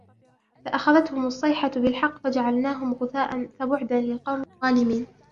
فَأَخَذَتْهُمُ الصَّيْحَةُ بِالْحَقِّ فَجَعَلْنَاهُمْ غُثَاءً فَبُعْدًا لِلْقَوْمِ الظَّالِمِينَ